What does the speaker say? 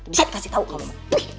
pisat kasih tau kamu